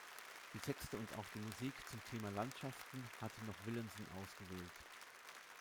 Die Texte und auch die Musik zum Thema "Landschaften" hatte noch Willemsen ausgewählt.